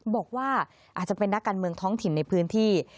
บอกว่าอาจจะเป็นนักการเมืองท้องถิ่นในพื้นที่